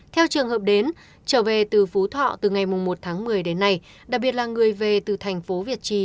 theo trường hợp đến trở về từ phú thọ từ ngày một tháng một mươi đến nay đặc biệt là người về từ thành phố việt trì